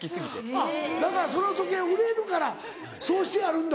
あっだからその時計売れるからそうしてあるんだ。